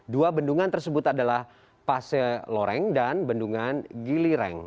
dua bendungan tersebut adalah pase loreng dan bendungan gilireng